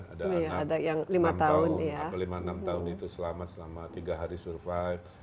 ada anak yang lima enam tahun itu selamat selama tiga hari survive